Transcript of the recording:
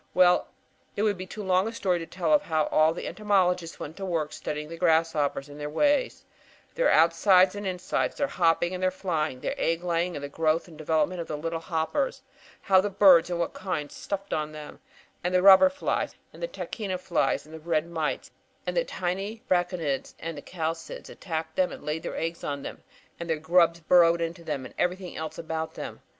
"Well, it would be too long a story to tell of how all the entomologists went to work studying the grasshoppers and their ways: their outsides and insides, their hopping and their flying, their egg laying and the growth and development of the little hoppers; how the birds, and what kinds, stuffed on them, and the robber flies and the tachina flies and the red mites and the tiny braconids and chalcids attacked them and laid eggs on them, and their grubs burrowed into them; and everything else about them.